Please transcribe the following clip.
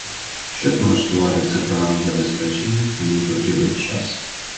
Щоб налаштувати це програмне забезпечення, мені потрібен час.